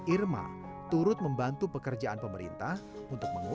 irma turut membantu pekerjaan pemerintah untuk mengubah